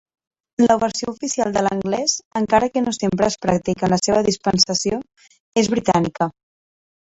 La versió oficial de l'anglès, encara que no sempre és pràctica en la seva dispensació, és britànica.